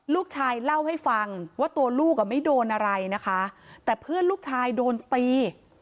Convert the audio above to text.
ลูกชายเล่าให้ฟังว่าตัวลูกอ่ะไม่โดนอะไรนะคะแต่เพื่อนลูกชายโดนตี